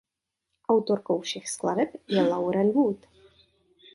Autorkou všech skladeb je Lauren Wood.